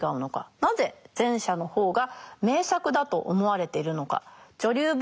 なぜ前者の方が名作だと思われているのか。